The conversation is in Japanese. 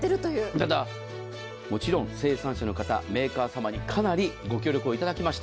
ただ、もちろん生産者の方メーカー様にかなりご協力をいただきました。